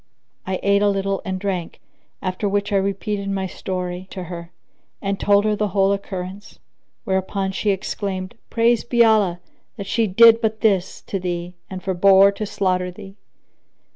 I ate a little and drank, after which I repeated my story to her, and told her the whole occurrence; whereupon she exclaimed, "Praised be Allah, that she did but this to thee and forbore to slaughter thee!"